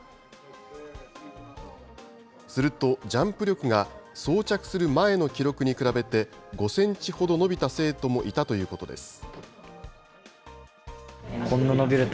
すると、ジャンプ力が装着する前の記録に比べて、５センチほど伸びた生徒もいたということです。